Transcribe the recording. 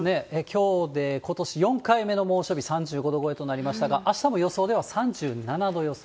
きょうでことし４回目の猛暑日、３５度超えとなりましたが、あしたも予想では３７度予想。